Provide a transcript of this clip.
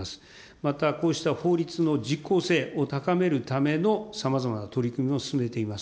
またこうした法律の実効性を高めるためのさまざまな取り組みも進めています。